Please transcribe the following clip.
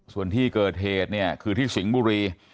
ส่วนที่เกิดเหตุเนี่ยคือที่สิงห์บุรี